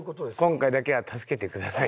今回だけは助けてください。